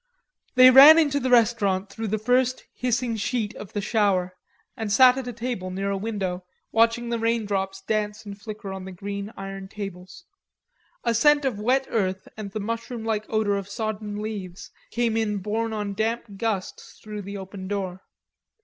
They ran into the restaurant through the first hissing sheet of the shower and sat at a table near a window watching the rain drops dance and flicker on the green iron tables. A scent of wet earth and the mushroom like odor of sodden leaves came in borne on damp gusts through the open door.